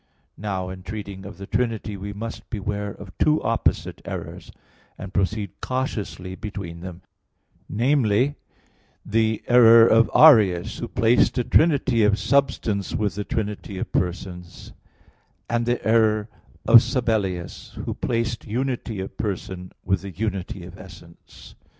Now, in treating of the Trinity, we must beware of two opposite errors, and proceed cautiously between them namely, the error of Arius, who placed a Trinity of substance with the Trinity of persons; and the error of Sabellius, who placed unity of person with the unity of essence.